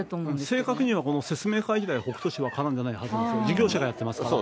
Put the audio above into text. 正確に言えば、この説明会は北杜市は絡んでないはずです、事業者がやってますから。